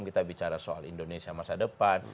kita bicara soal indonesia masa depan